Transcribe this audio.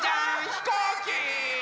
ひこうき！